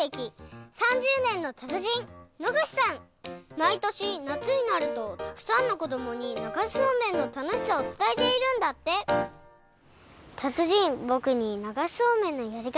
まいとしなつになるとたくさんのこどもにながしそうめんのたのしさをつたえているんだってたつじんぼくにながしそうめんのやりかたをおしえてください！